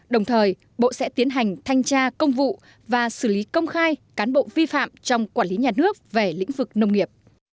đồng thời bộ sẽ tiến hành thanh tra công vụ và xử lý công khai cán bộ vi phạm trong quản lý nhà nước về lĩnh vực nông nghiệp